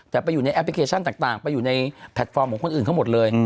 แต่ไปอยู่ในแอปพลิเคชันต่างไปอยู่ในแพลตฟอร์มของคนอื่นเขาหมดเลย